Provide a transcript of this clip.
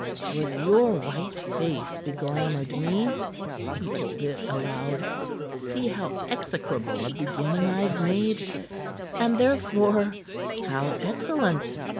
"'Twas your white face beglamored me," he told it aloud. "See, how execrable a beginning I've made, and, therefore, how excellent!"